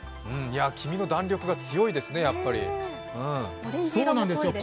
黄身の弾力が強いですね、やっぱりね。